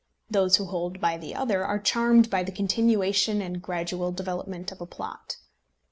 Those who hold by the other are charmed by the continuation and gradual development of a plot.